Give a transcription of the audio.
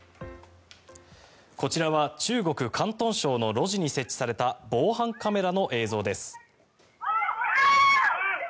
こちらは中国・広東省の路地に設置された防犯カメラの映像です。